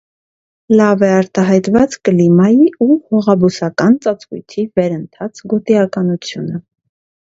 Լավ է արտահայտված կլիմայի ու հողաբուսական ծածկույթի վերընթաց գոտիականությունը։